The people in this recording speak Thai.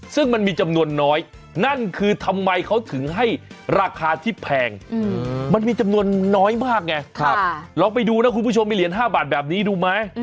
ซึ่งมันมีจำนวนน้อยนั่นคือทำไมเขาถึงให้ราคาที่แพงมันมีจำนวนน้อยมากไงลองไปดูนะคุณผู้ชมมีเหรียญ๕บาทแบบนี้ดูไหม